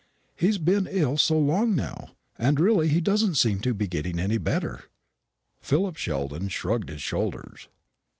He has been ill so long now; and really he doesn't seem to get any better." Philip Sheldon shrugged his shoulders.